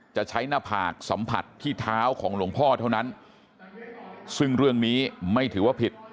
จะใช้หน้าผากสัมผัสที่เท้าของหลวงพ่อเท่านั้นซึ่งเรื่องนี้ไม่ถือว่าผิด